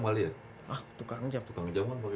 tukang jam kan pake gitu ya